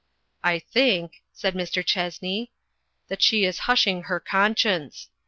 "I think," said Mr. Chessney, "that she is hushing her conscience.